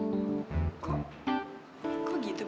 emang kenapa harus kayak gitu